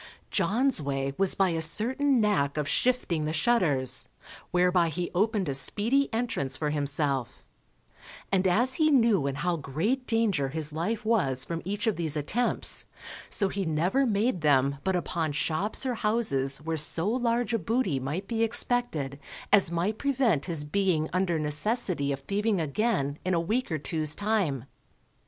John's way was by a certain nack of shifting the shutters, whereby he opened a speedy entrance for himself; and as he knew in how great danger his life was from each of these attempts, so he never made them but upon shops or houses where so large a booty might be expected as might prevent his being under necessity of thieving again in a week or two's time.